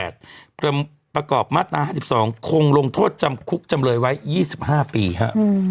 ประกอบมาตรา๕๒คงลงโทษจำคุกจำเลยไว้๒๕ปีฮะ